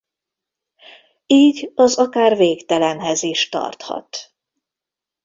Így az akár végtelenhez is tarthat.